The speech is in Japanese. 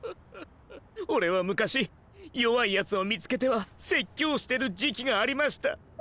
俺は昔弱いやつを見つけては説教してる時期がありました。